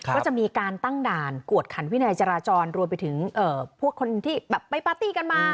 ก็จะมีการตั้งด่านกวดขันวินัยจราจรรวมไปถึงพวกคนที่แบบไปปาร์ตี้กันมา